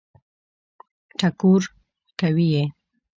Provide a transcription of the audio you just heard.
ټکور کوي یې.